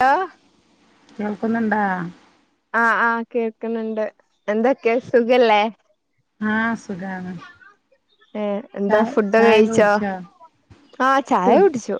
ലൊ.. കേൾക്കുന്ന്ണ്ടാ? അ അ കേൾക്ണണ്ട് എന്തക്കെ സുഖല്ലെ? ആ സുഖാണ്. ഏ എന്താ ചായ ഫുഡൊക്കെ ചായൊക്കെ കയ്ച്ചോ കുടിച്ചോ ആ ചായൊടിച്ചു.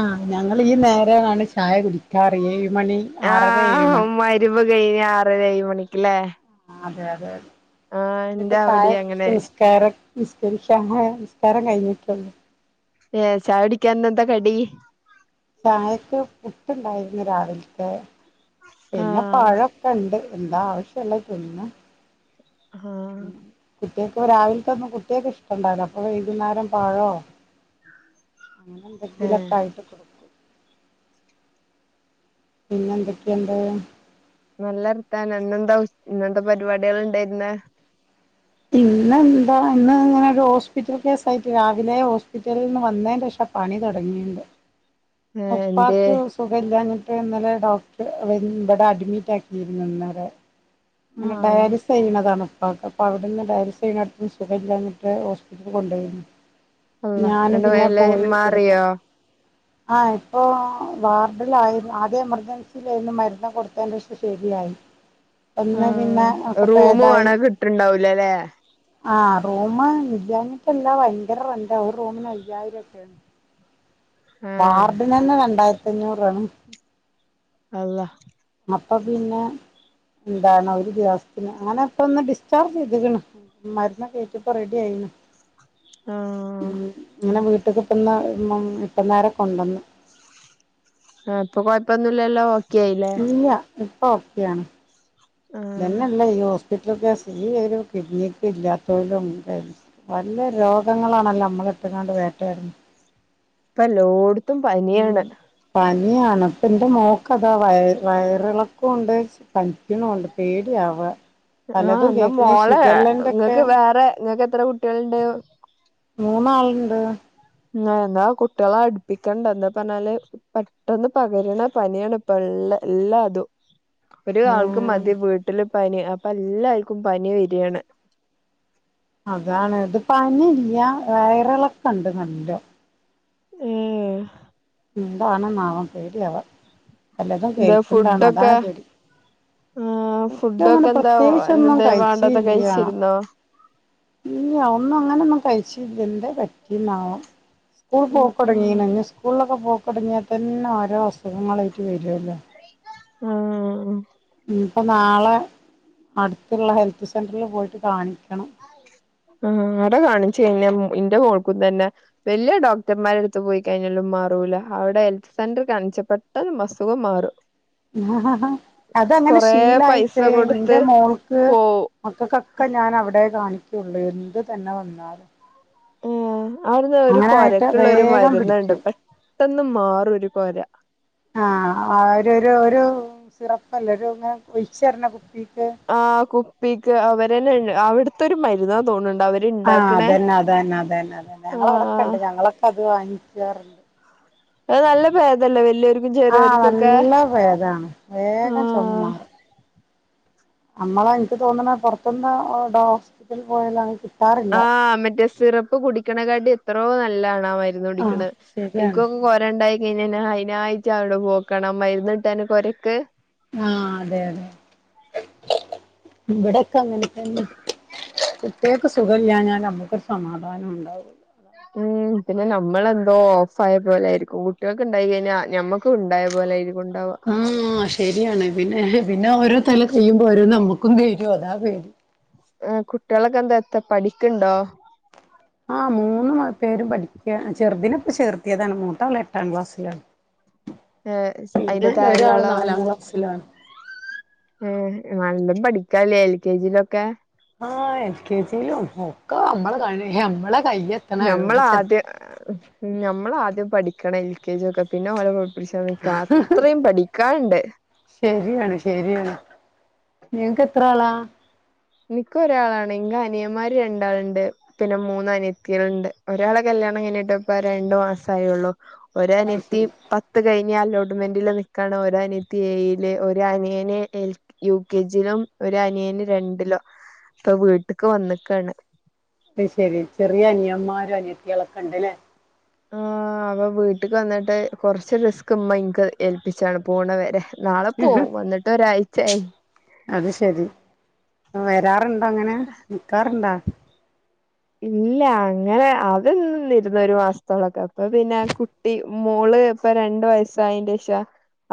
ആ ഞങ്ങളീനേരാണ് ചായ കുടിക്കാറ് ഏഴ്മണി ആറര ഏഴ്മണി. വ് കൈഞ് ആറരഏഴ്മണിക്കല്ലെ. അതെയതെതെ ഞാനിപ്പോ എന്റെ അവിടെ ചായകുടിച് അങ്ങനെ നിസ്കാര നിസ്കരിക്കാനെ നിസ്കാരം കഴിഞ്ഞിട്ടൊള്ളു ഏ ചയൊടിക്ക ന്നന്ത കടി? ചായക്ക് പുട്ടുണ്ടായിരുന്നു രാവിലത്തെ പിന്നെ ആഹ് പഴൊക്കെണ്ട് എന്താ ആവശ്യള്ളതിന്ന ആ കുട്ട്യേക്ക് രാവിലത്തൊന്നും കുട്ട്യേക്ക് ഇഷ്ടണ്ടാല അപ്പൊ വൈകുന്നേരം പാഴോ ഏഹ് അങ്ങനെന്തെങ്കിലൊക്കായിട്ട് കൊടുക്കും. പിന്നെന്തൊക്കെണ്ട് നല്ലർത്താനം ന്നെന്താ ഉ ന്നെന്താ പരിപാടികള്ണ്ടെ ന്നേ? ഇന്നെന്താന്ന് ഇന്ന് ഇങ്ങനെ ഓരോസ്പിറ്റൽകേസായിട്ട് രാവിലേ... ഹോസ്പിറ്റലിന്ന് വന്നെന്റെഷാ. പണി തുടങ്ങിണ്ട് ഏഹ് എന്തേ ഉപ്പാക്ക് സുഖല്ലാന്ന് ഇന്നലെ ഡോക്ടറ് ഇവിടെ അഡ്മിറ്റാക്കീന്നു ഇന്നലെ ങ്ങനെ ആഹ് ഡയാലിസെയ്യണതാണ്. പ്പാക്ക് അപ്പവ്ട്ന്ന് ഡയലിസെയ്യിണൊഡ്ത്ന്ന് അള്ളാ ഞാന് ഇങ്ങട്ട് പിന്നെ മേല് പോയി ഇവിഡ്ന്ന് മാറിയോ ആഹ ഇപ്പോ... വാർഡിലാ.. വാർഡിലായിരുന്നു ആദ്യം എമർജൻസിലായിരുന്നു മരുന്നൊക്കെ കൊട്ത്തെന്റെഷം ശെരിയായി കൊടുത്തക്ഷ ശരിയായി ഒന്ന് പിന്നെ ഉം...... ഒക്കെ റൂമ് വേണെകിട്ട്ണ്ടാവൂലല്ലേ അ റൂമ് ഇല്ല്യാഞ്ഞിട്ടല്ലാ... വയങ്കര റെന്റാ... ഒര്റൂമിന് അയായിരല്ലെ.. ആഹ് വാർഡിനന്നെ രണ്ടായിരത്തഞ്ഞൂറാണ് അള്ളാ... അപ്പൊ പിന്നേ.... ന്താണ് ഒരു ദിവസത്തിന് അങ്ങനെപ്പന്ന് ഡിസ്ചാർജെയ്ത് ക്ക്‌ണ് മരുന്നക്കേറ്റ് ഇപ്പൊ റെഡ്യായി ഉം ആ.... ഇട്ടക്ക് ഇപ്പന്ന് ഇപ്പ ഇപ്പന്നേരം കൊണ്ടന്ന് ആ.. ഇപ്പകൊയ്പ്പന്നൂല്ലല്ലോ... ഒക്കാ യിലെ ഇല്ല ഇപ്പൊ ഒക്കെയാണ് ആഹ് ഇതന്നെല്ലെ ഈ.. സ് പറ്റൽ കേസ് ഈഒരു കിഡ്നിക്കില്ലാത്തലൊണ്ടെനെ പല രോഗങ്ങളാണല്ലോ നമ്മളെ ത്ക്കാണ്ട് വേട്ടെയാടി ഇപ്പല്ലോട്ത്തും പന്യാണ് ഏഅണപ്പന്റെ ന്റെമോക്കതാ... വയ വയറെളക്കോംണ്ട് നിക്കുനൂണ്ട് പേടിയാവ ആഹ് പലതും എന്നാ കേക്ണ് ഈ മോളെ ശിഖല്ലന്റെക്കെ ഇങ്ങക്ക് വേറെ ഇങ്ങക്ക് എത്ര കുട്ട്യാള്ണ്ട്? മൂന്നാള്ണ്ട്. ങേ.. ന്നാ കുട്ട്യാളടുപ്പിക്കണ്ടന്തപറഞ്ഞാല് പെട്ടന്ന് പകരണ പനിയാണ്പ്പ എല്ലാതും ഒരാൾക്ക് ഉം മതി വീട്ടില് പനി അപ്പല്ലാർക്കും പനി വരാണ് അതാണ് ഇത് പനില്ലാ.. വയറിളക്കണ്ട് നല്ലോം ഏ... എന്താണ്ന്നാവോ... പേഡ്യാവ പലതും എന്താ കേക്ക്‌ ണ്ടാണ് ഫുഡൊക്കെ അതാണ് പേടി ആഹ് ഫുഡങ്ങനെ ഫുഡൊക്കെ എന്താ പ്രത്യേകിചൊന്നും എന്താ വേണ്ടാത്ത കഴിച്ചീല്യ കഴിച്ചിരുന്നോ ഇതിന്റെ പറ്റിന്നാവും സ്കൂൾ ആഹ് ആഹ് പോക്കടങ്ങിനാ ഞ്ഞ് സ്കൂളിലൊക്കെ പോക്കടങ്ങിയാ തന്നെ ഓരോ അസുഖങ്ങളായിട്ട് വരുല്ലോ ആഹ ഇ ഇപ്പൊ നാളെ അടുത്തുള്ള ഹെൽത്ത് സെന്ററിൽ പോയിട്ട് കാണിക്കും ആ അവിട കാണിച്ചയ്ഞ്ഞാ ഇൻ്റെ മോൾക്കും തന്നെ വല്യ ഡോക്ടർമാരെ എടുത്ത് പോയി കഴിഞ്ഞാലും മാറൂല അവിടെ ഹെൽത്ത് സെന്റർ കാൺ ച്ച പ്പെട്ടന്നസുഖം മാറും ആ അതങ്ങനെ കൊറേ ശീലായിട്ട് പൈസ കൊടുത്ത് ഇന്റെ മോൾക്ക് പോവും മക്കക്കക്കെ ഞാൻ അവിടെ കാണിക്കുള്ളൂ എന്ത് തന്നെ വന്നാലും അവിടെന്ന് ഒരു അങ്ങനെ ആയിട്ട് കൊരക്കുള്ള ഒരു വേഗം മരുന്നുണ്ട് പിടിക്കും പെട്ടന്ന് മാറും ഒരു കൊര ആഹ ഒരു ഒരു സിറപ്പല്ല ഒരുച്ചറിഞ്ഞ കു ആ കുപ്പിക്ക് അവരന്നെ അവിടുത്തെ ഒരു മരുന്ന തോണണ്ട് ആഹ് അതന്നെ അതന്നെ അതന്നെ അതന്നെ ഞങ്ങളവ്ടൊക്കെ ആഹ് ഉണ്ട് ഞങ്ങളൊക്കെ അത് വാങ്ങിക്കാറുണ്ട് അത് നല്ല ഭേദല്ല വല്യ ഓൽകും ആഹ് ചെറ്യോൽക്കൊക്കെ നല്ല ഭേദാണ് വേഗം ആഹ നമ്മള എനിക്ക് തോന്നണ പൊറത്ത്ന്ന് ഹോസ്പിറ്റലിൽ പോയലാണ് കി ആഹ മറ്റേ സിറപ്പ് കുടിക്കണക്കാട്ടി എത്രോ നല്ലാണ് കാ ആഹ് മയിരുന്നുടക്കെണെ ശരിയാണ് ക്കിക്കൊ കൊരണ്ടഴിഞ്ഞ്യ അയ്നായിട്ട് അവിടെ പോക്കണം മരുന്ന്ട്ടാന് കൊരക്ക് ആഹ് അതെ വിടക്ക അങ്ങനത്തന്നെ കുട്ട്യാക്ക് സുഖല്ലാഞ്ഞാൽ നമ്മുക്കരു സമാധാനം ഉണ്ടാവുല്ല അതാണ് ഉം പിന്നെ നമ്മളെന്തോ ഓഫ് ആയ പോലൊയിരിക്കും കുട്ടികൾക്ക്ണ്ടായി കഴിഞ്ഞാൽ ഞമ്മക്കണ്ടായ പോലെ ആയ്രിക്കും ആ ശരിയാണ് പിന്നെ പിന്നെ ഓരോ തല കഴിയുമ്പോ ഓരോ നമ്മുക്കും തരും അതാ പേടി കുട്ടികളൊക്കെ എന്താ എത്താ പഠിക്കണ്ടോ ആ മൂന്ന് പേരും പഠിക്ക ചെറുദനപ്പ ചേർത്തിയതാണ് മൂത്താള് എട്ടാം ക്ലാസ്സിലാണ് ഏ അതിന്റെ പിന്നെ താഴെള്ള ഒരാള് ആളോ നാലാം ക്ലാസ്സിലാണ് ഉം നാലോണമ് പഠിക്കാലേ എൽ കെ ജിലൊക്കെ ആ എൽ കെ ജിയിലും ഒക്കെ നമ്മള് കഴി- നമ്മള നമ്മള ആദ്യം നമ്മൾ ആദ്യം പഠിക്കണം എൽ കെ ജി ഒക്കെ പിന്നെ ഓലെ പഠി പ്പ്ച്ചാൻ നിക്കാ അത്രയും പഠിക്കാന്ണ്ട് ശരിയാണ് ശരിയാണ് നിങ്ങക്ക് എത്ര ആളാ നിക്ക ഒരാളാണ് ൻക് അനിയന്മാര് രണ്ടാളുണ്ട് പിന്നെ മൂന്നനിയത്ത്യാള് ണ്ട് ഒരാളൊ കല്യാണ കല്യാണം കഴിഞ്ഞിട്ട് രണ്ട് മാസയിള്ളു അത് ഒരനിയത്തി ശരി പത്ത് കഴിഞ്ഞ് അലോട്ട്മെന്റില് നിക്കാണ് ഒരനത്തി ഏഴില് ഒരനിയന് യു കെ ജിലും ഒരു അനിയന് രണ്ടിലോ അപ്പൊ വീട്ട്ക്ക് വന്ന്ക്കാണ് അത് ശെരി ചെറിയ അനിയന്മാരും അനിയത്ത്യാളൊക്കെണ്ട്ല്ലേ ആ അവപ്പ വീട്ടക്ക് വന്നിട്ട് കൊറച്ച് റിസ്ക് മ്മ ഇൻക്ക് ഏൽപ്പിച്ചാണ് പോണവരെ നാളെ പോവും വന്നിട്ട് ഒരാഴ്ചായി അത് ശരി വരാറുണ്ടോ അങ്ങനെ നിക്കാറുണ്ടോ ഇല്ല അങ്ങനെ ആദ്യന്നിരരുന്നു ഒരു മാസത്തോളക്കെ അപ്പൊ പിന്നെ കുട്ടി മോള് ഇപ്പൊ രണ്ടു വയസായിന്റെഷ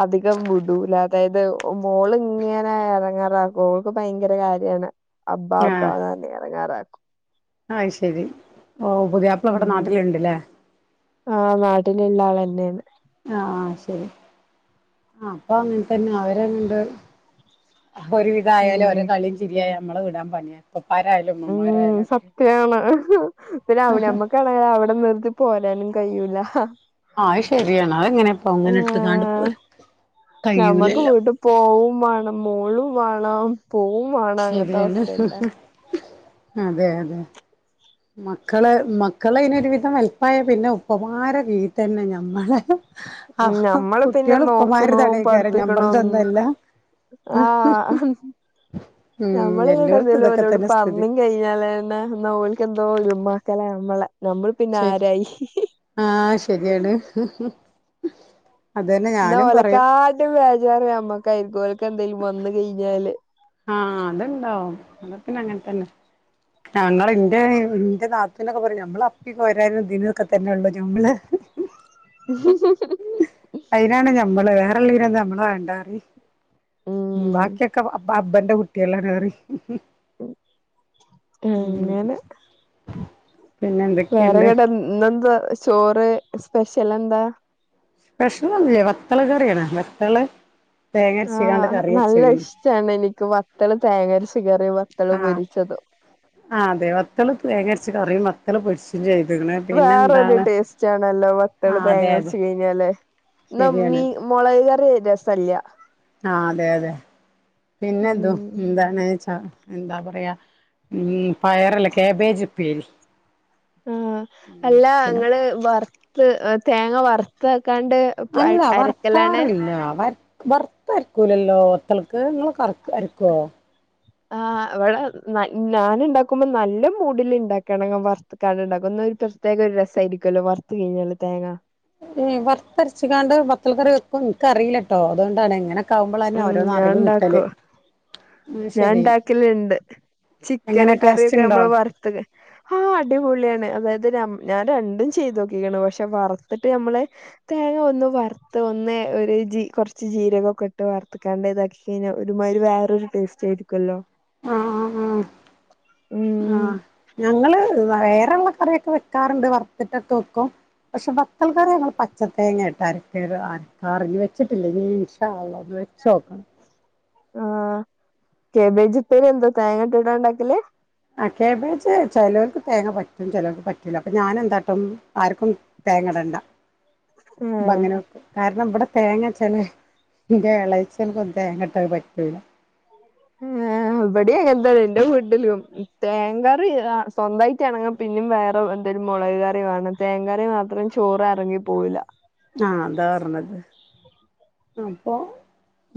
അധികം വിടൂല അതായത് മോൾ ഇങ്ങനെ ഇറങ്ങാറാക്കും ഓൾക്ക് ഭയങ്കര കാര്യാണ് അബ്ബ അബ്ബാന്നർഞ്ഞ് എടങ്ങറാക്കും ആ് ശെരി ഓ പുതിയാപ്പിളവിടെ നാട്ടില്ണ്ട്ല്ലേ ആ നാട്ടിലുള്ള ആളെന്നേണ് ആ ആ ശരി ആ അപ്പൊ അങ്ങൻത്തന്നെ അവരങ്ങണ്ട് ഒരുവിധ ആയാലും ഒരോ ഉം കളിയും ചിരിയാ നമ്മളെ വിടാൻ പണിയാണ് ഉം സത്യാണ് പ്പൊ നമ്മക്കണവിടെ നിർത്തി പോരാ കഴിയൂല [unintelligible] ആ ശരിയാണ് അത എങ്ങനെപ്പ അങ്ങനെ ഇട്ട് കണ്ട് പോരാ ഞമ്മക്ക് വീട്ടിൽ പോവും വേണം- മോളും പോവും വേണം അങ്ങത്തെ ശരിയാണ് അവസ്ഥ ഇല്ല [unintelligible] അതെ അതെ മക്കള്- മക്കള് ഇതിനൊരു വിധം വലുപ്പായ പിന്നെ ഉപ്പമാരെ രീതി തന്നെ ഞമ്മളെ ആ ഉം നമ്മള് പിന്നെ കുട്ടികൾ നോക്കണു ഉപ്പമാരുതാണ് കാര്ം ഞമ്മളെതൊന്നും അല്ല ആ ഉം നമ്ള് ഇങ്ങോട്ട് എല്ലോടത്തും എന്തേലും ഇതൊക്കെ ഓലോട് തന്നെ സ്ഥിതി പറഞ്ഞും കഴിഞ്ഞാലായി എന്നാ ഓല ക്ക് എന്തോ നമ്മളെ [unintelligible] [unintelligible] ശരി ആരായി ആ ശരിയാണ് അതന്നെ എന്നാ ഞാനും പറയും ഓലക്കാട്ടും ബേജാർ നമ്മക്കായിരിക്കും ഓലക്ക് എന്തേലും വന്ന കഴിഞ്ഞാല് ആ അത്ണ്ടാവും- അത് പിന്നെ അങ്ങനെത്തന്നെ നമ്മള് ഇന്റെ ഇന്റെ നാത്തൂനൊക്കെ പറയും നമ്മള് അപ്പി കേരാനും ഇതിനൊക്കെ തന്നെ ഉള്ളു നമ്മള് മ് മ് [unintelligible] അതിനാണ് ഞമ്മള് വേറെള്ളീന നമ്മള വേണ്ട പറയും ഉം ബാക്കിയൊക്കെ അബ്ബന്റെ കുട്ടികളാണ് പറയും ഹ്മ്മ്- ഉം അങ്ങനെ പിന്നെ എന്തൊക്കെയുണ്ട് വേറെങ്ങട്ട- ഇന്നെന്താ ചോറ് സ്പെഷ്യൽ എന്താ സ്പെഷൽ ഒന്നുല്ല വത്തള് കറിയാണ് വത്തള് തേങ്ങരച്ച്കാണ്ട് ആ- കറി നല്ല വെച്ച്ക്ക്ണ് ഇഷ്ടമാണ് എനിക്ക് വത്തള് തേങ്ങ അരച്ചു കറിയും വത്തള് പൊരിച്ചതും ആ അതെ വത്തള് തേങ്ങ അരച്ച കറിയും വത്തള് പൊരിച്ചതും ആയിരുന്നു വേറെരു ടേസ്റ്റ് ആണല്ലോ വത്തള് ആഹ് അതെ തേങ്ങ വെച്ച അതെ കഴിഞാല് ആ ന്നാ ശരിയാണ് മുളക് കറി രസല്ല ആഹ് അതെ അതെ പിന്നെ- എന്ത് ഉം എന്താച്ച എന്താ പറയുക- പയറല്ല കാബേജ് ഉപ്പേരി ആഹ് അല്ല പിന്നെ നിങ്ങള് വറുത്ത് തേങ്ങ വറുത്ത അല്ല വർക്കാറില്ല വറുത്തു അരക്കൂലല്ലോ വത്തള്ക്ക് നിങ്ങളൊക്കെ അരക്കുവോ ആഹ് ഇവിടെ ഞാൻ ഉണ്ടാക്കുമ്പോ നല്ല മൂടില് ഉണ്ടാക്കുമ്പോ വറുത്തുക്കാണ്ട് ഉണ്ടാക്കും ഒരു പ്രത്യേക ഒരു രസമായിയിരിക്കുമല്ലോ വറത്തു കഴിഞ്ഞല് തേങ്ങ വറുത്തരച്ചിക്കാണ്ട് വത്തൽ കറി വെക്കും- എനിക്കറിയില്ല കേട്ടോ അതുകൊണ്ടാണ് എങ്ങനെ ആവുമ്പോഴല്ലേ ഒരു അറിവ് കിട്ടൽ ഞാൻണ്ടാക്കല് ഇണ്ട് ചിക്കൻ എങ്ങനെ ടേസ്റ്റ് കറിയൊക്കെ ഉണ്ടോ നമ്മള് വറുത്തു ആഹ് അടിപൊളിയാണ് അതായത് ഞാൻ രണ്ടും ചെയ്ത് നോക്കിക്ക്ണ് പക്ഷെ വറുത്തിട്ട് നമ്മളെ തേങ്ങ ഒന്ന് വറുത്ത് ഒന്ന് ഒരു ജി കുറച്ച് ജീരകൊക്കെ ഇട്ട് വാർത്തുക്കാണ്ട് ഇതാക്കി കഴിഞ്ഞാൽ ഒരുമാതിരി വേറൊരു ടേസ്റ്റ് ചെയ്തുക്കല്ലോ ആഹ് ആഹ് ഉം ആഹ് ഞങ്ങള് വേറെള്ള കറിയൊക്കെ വെക്കാറുണ്ട് വറുത്തിട്ടൊക്കെ വെക്കും- പക്ഷെ വത്ത്‌ൾക്കറി ഞങ്ങൾ പച്ച തേങ്ങായിട്ടാര് [unintelligible] ഇറങ്ങി വെച്ചിട്ടില്ലേ ഇൻശാ അല്ലാഹ് ഇനി ഒന്ന് വെച് നോക്കണം ആഹ്- ക്യാബേജ് ഉപ്പേരി എന്താ തേങ്ങ ഇട്ടിട്ടാണോ ഉണ്ടാക്കല് ആ ക്യാബേജ് ചിലവർക്ക് തേങ്ങ പറ്റും ചിലർക്ക് പറ്റൂല അപ്പൊ ഞാനെന്താട്ടും ആർക്കും തേങ്ങടണ്ട ആഹ് അങ്ങനെക്കെ കാരണം ഇവിടെ തേങ്ങ ചെില എന്റെ എളച്ചൻക്കൊന്നും തേങ്ങ ഇട്ടത് പറ്റില്ല [inaudible] [unintelligible] ഇവിടെ അങ്ങനെ തന്നെ എന്റെ വീട്ടിലും തേങ്ങ സ്വന്തമായിട്ടാണങ്ങ പിന്നെ വേറെ എന്തരു മുളക് കറി വേണം തേങ്ങ കറി മാത്രം ചോറ് ഇറങ്ങി പോവില്ല ആഹ് അതാ പറഞ്ഞത് അപ്പൊ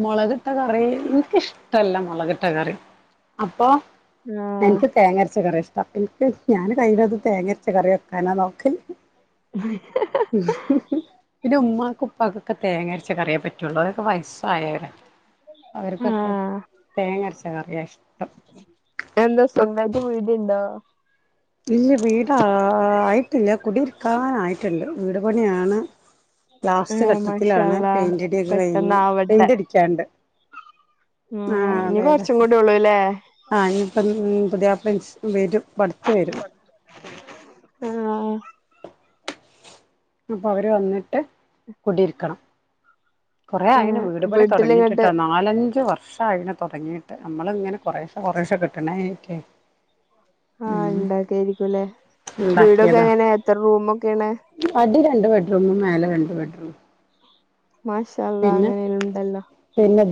മുളകിട്ട കറി എനിക്കിഷ്ടല്ല- മുളകിട്ട കറി അപ്പൊ ആഹ് എനിക്ക് തേങ്ങ അരച്ച കുറ ഇഷ്ടം പപ്പ എനിക്ക് ഞാൻ കയ്യിലത് തേങ്ങ അരച്ച കറി വെക്കാനാ നോക്കി മ് മ്മ് പിന്നെ ഉമ്മാക്ക ഉപ്പക്കൊക്കെ തേങ്ങ പറ്റുള്ളൂെ വയസ്സായവരെ അവർക്കൊക്കെ ആഹ് തേങ്ങ അരച്ച കറിയ ഇഷ്ടം എന്താ സൊന്തായ്റ്റ് വീട്ണ്ടോ ഇല്ല വീടായിട്ടില്ല കുടിയിരിക്കാനായിട്ട്ണ്ട് വീട് പണിയാണ് ലാസ്റ്റ് ആഹ ഘട്ടത്തിലാണ് മഷാഅല്ലാഹ് പെയിന്റടിയൊക്കെ പെട്ടന്ന ആവട്ടെ ആ അതെതെ കൊറച്ചും കൂടി ഉള്ളൂല്ലേ ആ ഞ്ഞി അപ്പം പുതിയ ഇൻസ് ഫ്രൻസ് വരും പടുത്ത വരും ആ അപ്പവര് വന്ന്ട്ട് കുൂടിയിരിക്കണം കുറേ അയന് ആഹ് വീടുപണി തുടങ്ങിയിട്ടിട്ട വീട്ടിലിങ്ങട്ട് നാലഞ്ച് വർഷം ർഷായിന് തൊടങ്ങിട്ട് നമ്മള്ങ്ങനെ കൊറേശെ കൊറേശെ കെട്ട്നായിട്ടെ ആഹ ഉണ്ടാക്കെയിരിക്കുംല്ലേ വീടൊക്കെ ഉണ്ടാക്കിയതാ എങ്ങനെ എത്ര റൂമ അടി രണ്ട് ബെഡ്റൂമും മേലെ രണ്ട് ബെഡ്റൂം മാഷല്ല അങ്ങനെ ഉണ്ടല്ലോ എ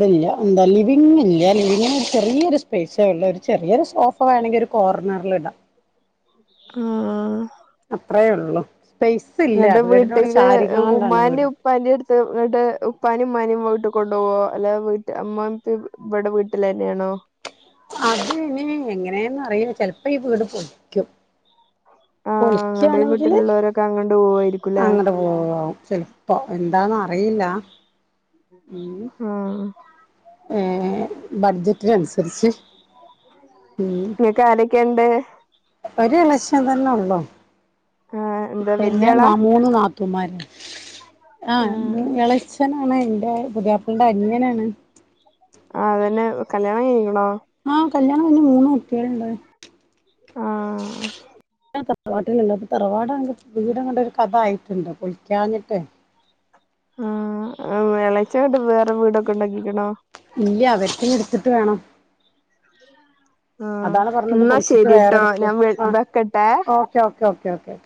ലിവില്ല ലിവിി ചെറിയൊരു സ്പേസള്ള ഒരു ചെറിയരു സോഫ വേണെങ്കിൽ കോർ കണാറലിട ആ അത്ര ഉള്ളു എന്നിട്ട് വീട്ടില് ഉ്മാന്റെ വീട് ഉപ്പാറെ അടുത്ത് ഇട്ട് ഉപ്പാനും ഉമ്നയും പോയിട്ട് കൊണ്ട് പോവോ അല്ലെ വീട്ട് മ്മൻത്ത് ഇവടെ വീട്ട്ലെന്നെണോ അത്െ എങ്ങനെയന്ന അറിയില്ല ചെിലപ്പോ ഈ വീട് പൊതിക്കും ആഹ് ഇങ്ങട്ട് ഈ പൊളിക്കയാണെങ്കില് വീട്ടിലുള്ളവരൊക്കെ അങ്ങണ്ട് പോവായിരിക്കുംല്ലേ അങ്ങട്ട പോവാവും ചിലപ്പോ എന്താന്ന് അയ്ല്ല ആ ഏ ബജ റ്റ്നൻസരിച്ച് ഉം നിങ്ങക്ക് ആരൊക്കെയുണ്ട് ഒരു ലക്ഷം തന്നെ ഉള്ളു ആ എന്താ പിന്നെ ന വല്യാളാ മൂന്ന് നാ തുമരാ ആഹ് യെ ള ച്ഛനാണ് ന്റെ പുതിയാപ്പൾന്റെ അനിയനാണ് ആ അതന്നെ കല്യാണം കഴിക്കണോ ആഹ് കല്യാണം അന് മൂന്ന് കുട്ടികളുണ്ട് ആഹ തറവാട്ടിലണ്ട് അപ്പൊ തറവാട വീട്ങ്ങട്ടൊ ഒരു കഥ ആയിട്ടുണ്ട് പൊളിക്കാഞ്ഞിട്ട് ആ എളേച്ചൻ വടെ വേറെ വീടൊക്കെണ്ടാക്കിക്ക്‌ണോ ഇല്ല അവര്ക്ക്‌ഞ്ഞി ഇട്ത്ത്ട്ട് വേണം ആഹ് അതാണ് പറഞ്ഞത് എന്നാ പൊളിച്ചിട്ട് ശരിട്ടോ വേറെടുക്കും ഞാൻ വെ ആ് വെക്കട്ടെ ഓക്കേ ഓേ ഓേ ഓ